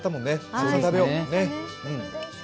たくさん食べよう！